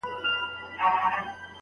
مختلف بحثونه سته.